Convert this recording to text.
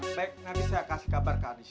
siapa baik nanti saya kasih kabar ke aziz